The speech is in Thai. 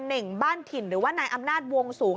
เน่งบ้านถิ่นหรือว่านายอำนาจวงสูง